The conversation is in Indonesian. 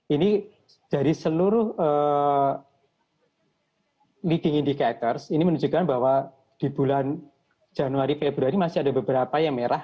ini dari seluruh leading indicators ini menunjukkan bahwa di bulan januari februari masih ada beberapa yang merah